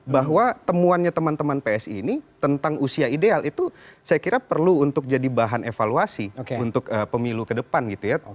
bahwa temuannya teman teman psi ini tentang usia ideal itu saya kira perlu untuk jadi bahan evaluasi untuk pemilu ke depan gitu ya